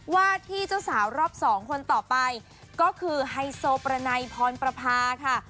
ว่าที่เจ้าสาวรอบสองคนต่อไปก็คือไฮโซประไนพรประพาค่ะ